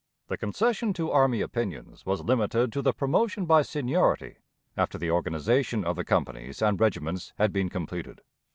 "The concession to army opinions was limited to the promotion by seniority after the organization of the companies and regiments had been completed.